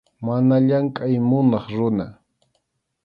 Mana llamkʼay munaq runa.